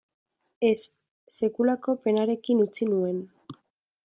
Ez, sekulako penarekin utzi nuen.